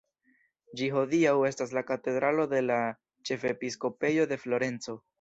Ĝi hodiaŭ estas la katedralo de la ĉefepiskopejo de Florenco.